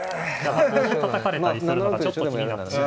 ここをたたかれたりするのがちょっと気になってしまって。